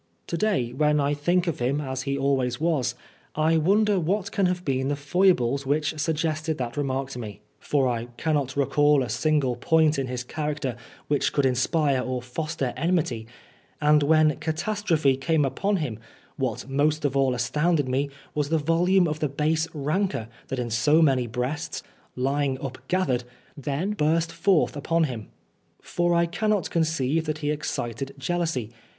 To day, when I think of him as he always was, I wonder what can have been the foibles which suggested that remark to me, 37 Oscar Wilde for I cannot recall a single point in his character which could inspire or foster enmity ; and when catastrophe came upon him, what most of all astounded me was the volume of the base rancour that in so many breasts, lying upgathered, then burst forth upon him. For I cannot conceive that he excited jealousy.